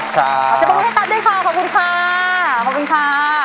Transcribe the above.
ขอบคุณให้ตั๊บด้วยค่ะขอบคุณค่ะ